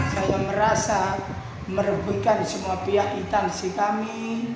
saya merasa merebuikan semua pihak itansi kami